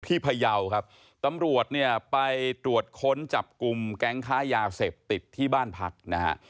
พยาวครับตำรวจเนี่ยไปตรวจค้นจับกลุ่มแก๊งค้ายาเสพติดที่บ้านพักนะฮะ